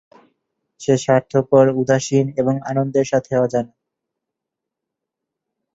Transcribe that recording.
সে স্বার্থপর, উদাসীন এবং আনন্দের সাথে অজানা।